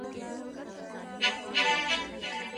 منځګړي بايد د څه سي مخه ونيسي؟